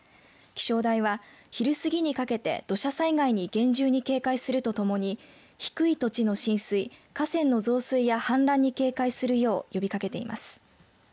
気象台は昼過ぎにかけて土砂災害に厳重に警戒するとともに低い土地の浸水河川の増水や氾濫に警戒するよう呼びかけています。